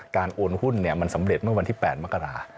โอนหุ้นมันสำเร็จเมื่อวันที่๘มกรา